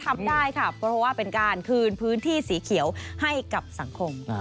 ทำได้ค่ะเพราะว่าเป็นการคืนพื้นที่สีเขียวให้กับสังคม